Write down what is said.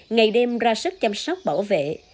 ngày đêm ra sức chăm sóc bảo vệ